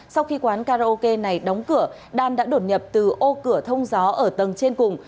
sau khi quán karaoke này đóng cửa đan đã đột nhập từ ô cửa thông gió ở tầng trên cùng